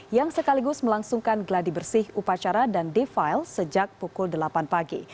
yang sekaligus melangsungkan gladi bersih upacara dan defile sejak pukul delapan pagi